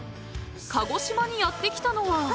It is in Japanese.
［鹿児島にやって来たのは］